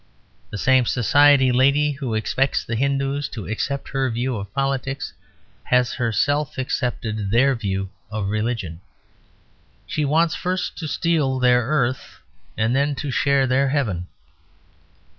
The same society lady who expects the Hindoos to accept her view of politics has herself accepted their view of religion. She wants first to steal their earth, and then to share their heaven.